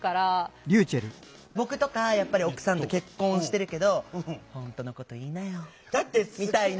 僕とか奥さんと結婚してるけど「本当のこと言いなよ」みたいな。